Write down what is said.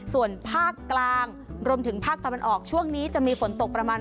ส่วนภาคกลางรวมถึงภาคตะวันออกช่วงนี้จะมีฝนตกประมาณ